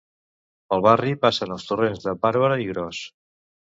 Pel barri passen els torrents de Bàrbara i Gros.